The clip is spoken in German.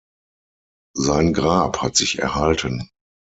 Sein Grab hat sich erhalten.